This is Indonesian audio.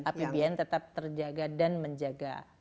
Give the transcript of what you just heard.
apbn tetap terjaga dan menjaga